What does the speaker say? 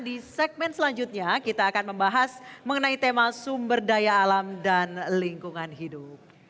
di segmen selanjutnya kita akan membahas mengenai tema sumber daya alam dan lingkungan hidup